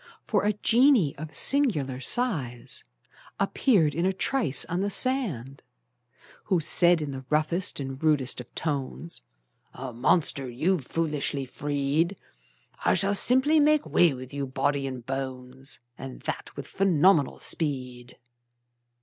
For a genie of singular size Appeared in a trice on the sand, Who said in the roughest and rudest of tones: "A monster you've foolishly freed! I shall simply make way with you, body and bones, And that with phenomenal speed!"